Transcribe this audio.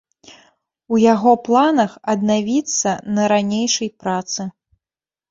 У яго планах аднавіцца на ранейшай працы.